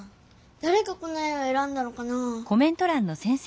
だれがこの絵をえらんだのかな？